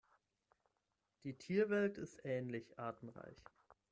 Die Tierwelt ist ähnlich artenreich.